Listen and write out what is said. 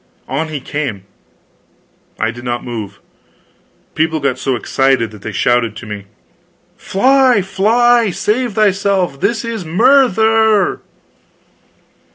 On he came. I did not move. People got so excited that they shouted to me: "Fly, fly! Save thyself! This is murther!"